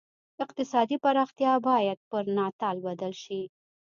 اقتصادي پراختیا باید پر ناتال بدل شي.